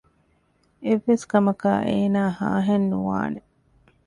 އެއްވެސް ކަމަކާ އޭނާ ހާހެއް ނުވާނެ